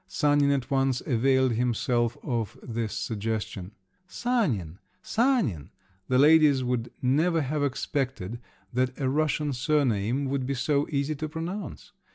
Sanin at once availed himself of this suggestion. "Sanin! Sanin!" The ladies would never have expected that a Russian surname could be so easy to pronounce.